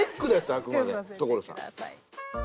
あくまで所さん。